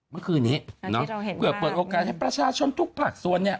เมื่อคืนนี้เพื่อเปิดโอกาสให้ประชาชนทุกภาคส่วนเนี่ย